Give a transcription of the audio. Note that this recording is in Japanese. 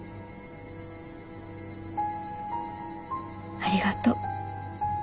ありがとう。